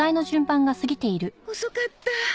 遅かった。